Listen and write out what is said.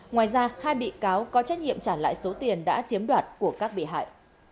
ngoài ra hai bị cáo có trách nhiệm trả lại số tiền đã chiếm đoạt của các bị hại